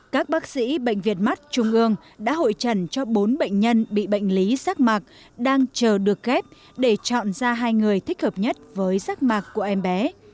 các bác sĩ bệnh viện mắt trung ương đã hội trần cho bốn bệnh nhân bị bệnh lý xác mạc đang chờ được ghép để chọn ra hai người thích hợp nhất với rác mạc của em bé